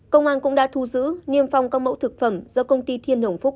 công an cũng đã thu giữ niêm phong các mẫu thực phẩm do công ty thiên hồng phúc